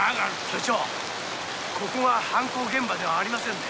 署長ここが犯行現場ではありませんね。